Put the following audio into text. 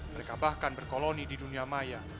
mereka bahkan berkoloni di dunia maya